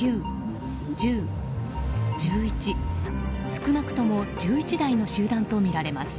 少なくとも１１台の集団とみられます。